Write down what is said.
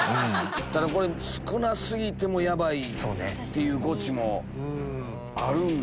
ただ少な過ぎてもヤバいっていうゴチもあるんでね。